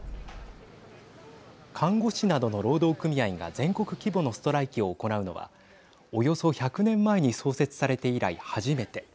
看護師などの労働組合が全国規模のストライキを行うのはおよそ１００年前に創設されて以来、初めて。